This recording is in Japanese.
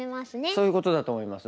そういうことだと思いますね。